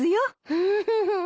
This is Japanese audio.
フフフ。